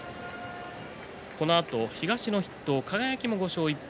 このあと、東の筆頭輝も５勝１敗。